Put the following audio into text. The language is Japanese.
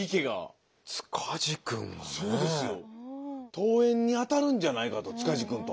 遠縁にあたるんじゃないかと塚地くんと。